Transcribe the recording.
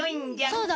そうだ！